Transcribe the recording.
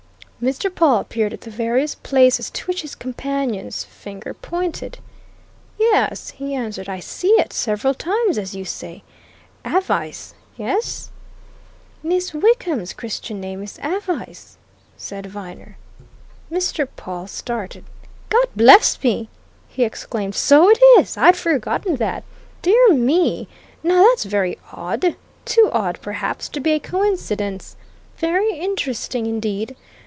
Mr. Pawle peered at the various places to which his companion's finger pointed. "Yes," he answered, "I see it several times, as you say. Avice! Yes?" "Miss Wickham's Christian name is Avice," said Viner. Mr. Pawle started. "God bless me!" he exclaimed. "So it is! I'd forgotten that. Dear me! Now, that's very odd too odd, perhaps, to be a coincidence. Very interesting, indeed!